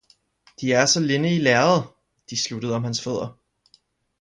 "De er så linde i læderet!" De sluttede om hans fødder.